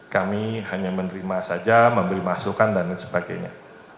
kami hanya menerima saja memberi masukan dan lain sebagainya